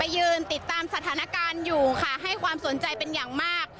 ยืนติดตามสถานการณ์อยู่ค่ะให้ความสนใจเป็นอย่างมาก